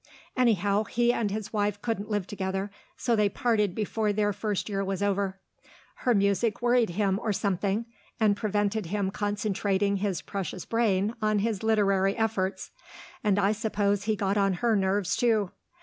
Anyhow, he and his wife couldn't live together, so they parted before their first year was over. Her music worried him or something, and prevented him concentrating his precious brain on his literary efforts; and I suppose he got on her nerves, too.